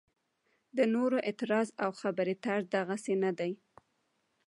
د نورو اعتراض او خبرې طرز دغسې نه دی.